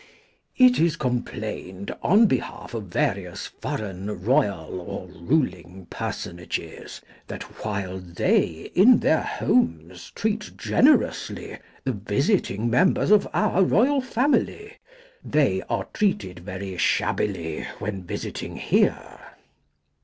It is complained on behalf of various foreign royal or ruling personages that while they in their homes treat generously the visiting members of our royal family, they are treated very shabbily when visiting here.